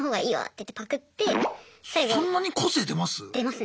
そんなに個性出ます？